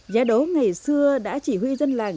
gia đố ngày xưa đã chỉ huy dân làng